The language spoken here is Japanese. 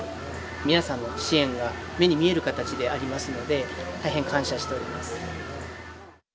皆さんの支援が目に見える形でありますので、大変感謝しております。